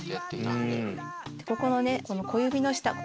ここのね小指の下。